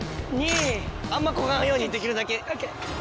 あんまこがんようにできるだけ。